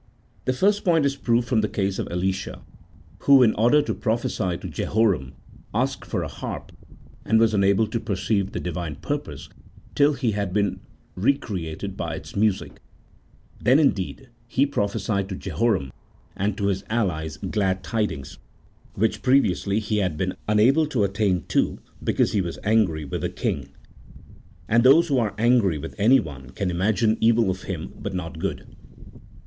The first point is proved from the case of Elisha, who, in order to prophecy to Jehoram, asked for a harp, and was unable to perceive the Divine purpose till he had been re created by its music ; then, indeed, he prophesied to Jeho ram and to his allies glad tidings, which previously he had been unable to attain to because he was angry with the king, and those who are angry with anyone can imagine evil of him, but not good.